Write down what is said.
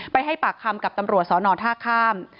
ให้ปากคำกับตำรวจสอนอท่าข้าม